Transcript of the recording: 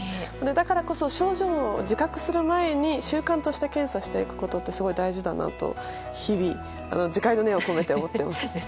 だからこそ症状を自覚する前に習慣として検査していくことってすごい大事だなと自戒の念を込めて思っております。